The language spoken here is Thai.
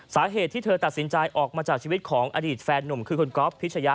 สาเหตุที่เธอตัดสินใจออกมาจากชีวิตของอดีตแฟนหนุ่มคือคุณก๊อฟพิชยะ